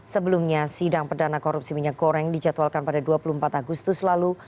sebelumnya sidang perdana korupsi minyak goreng dijadwalkan pada dua puluh empat agustus lalu